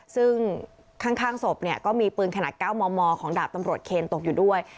ซึ่งข้างศพเนี่ยก็มีปืนขนาด๙มมของดาบตำรวจเคนตกอยู่ด้วย